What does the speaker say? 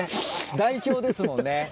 代表ですもんね。